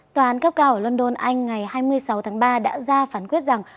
tòa án cấp cao ở london anh ngày hai mươi sáu tháng ba đã ra phán quyết rằng